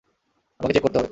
আমাকে চেক করতে হবে।